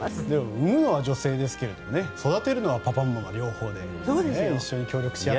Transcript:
産むのは女性ですが育てるのはパパママ両方で一緒に協力し合って。